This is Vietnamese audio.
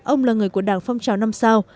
ông là người của đảng phong trào năm sao